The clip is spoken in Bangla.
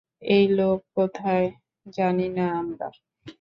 এই লোক কোথায়, জানি না আমরা।